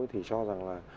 thì cho rằng là